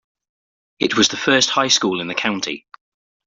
It was the first high school in the county.